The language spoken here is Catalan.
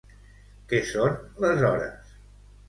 Què són les Hores?